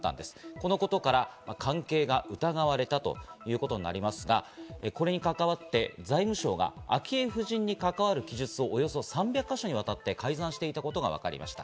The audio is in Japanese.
このことから関係が疑われたということになりますが、これに関わって財務省は昭恵夫人に関わる記述をおよそ３００か所にわたって改ざんしていたことがわかりました。